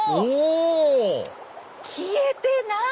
消えてない！